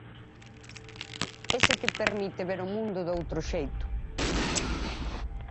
Ese que permite ver o mundo doutro xeito.